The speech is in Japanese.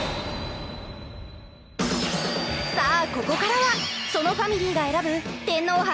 さあここからは園ファミリーが選ぶ天皇杯